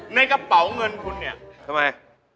ในกระเป๋าเงินคุณเนี่ยทำไม